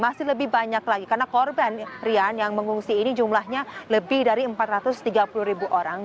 masih lebih banyak lagi karena korban rian yang mengungsi ini jumlahnya lebih dari empat ratus tiga puluh ribu orang